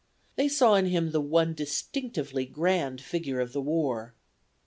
They saw in him the one distinctively grand figure of the war.